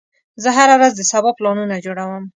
زه هره ورځ د سبا پلانونه جوړوم.